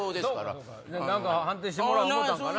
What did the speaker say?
判定してもらおう思うたんかな。